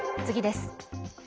次です。